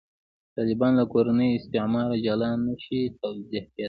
طالبان له «کورني استعماره» جلا نه شي توضیح کېدای.